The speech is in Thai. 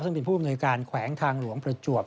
ซึ่งเป็นผู้อำนวยการแขวงทางหลวงประจวบ